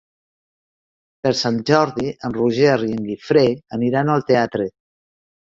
Per Sant Jordi en Roger i en Guifré aniran al teatre.